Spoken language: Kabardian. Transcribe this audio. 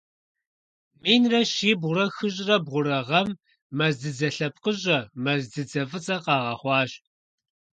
Минрэ щибгъурэ хыщӀрэ бгъурэ гъэм мэз дзыдзэ лъэпкъыщӀэ - мэз дзыдзэ фӀыцӀэ - къагъэхъуащ.